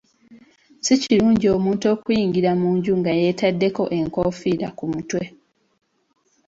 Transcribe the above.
Si kirungi omuntu okuyingira mu nju nga yeetaddeko enkufiira ku mutwe.